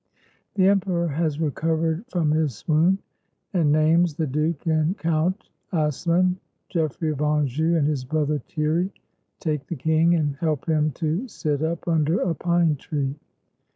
The Emperor has recovered from his swoon; and Naymes the Duke and Count Acelin, Geoffrey of Anjou, and his brother Thierry take the king and help him to sit up under a pine tree.